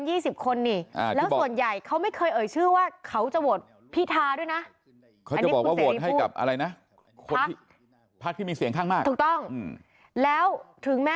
ที่จะโวท์ให้กับคุณพิธาเป็นนายก